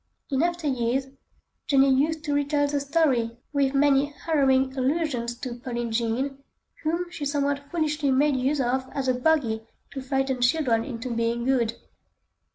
In after years, Jenny used to retail the story with many harrowing allusions to "Pearlin' Jean," whom she somewhat foolishly made use of as a bogey to frighten children into being good.